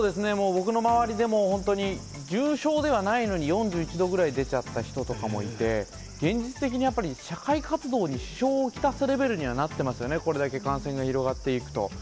僕の周りでも本当に、重症ではないのに、４１度ぐらい出ちゃった人とかもいて、現実的にやっぱり社会活動に支障を来すレベルにはなってますよね、これだけ感染が広がっていくと。